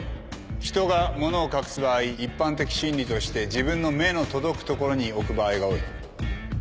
人が物を隠す場合一般的心理として自分の目の届く所に置く場合が多い。